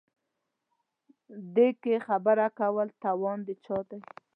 دې کې خبره کول توان د چا دی.